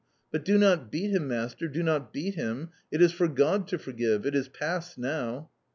But do not beat him, master; do not beat him! It is for God to forgive! It is past now!"